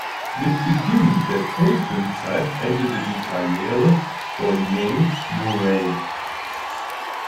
Mit Beginn der Tonfilmzeit endete die Karriere von Mae Murray.